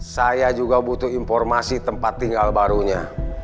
saya juga butuh informasi tempat tinggal barunya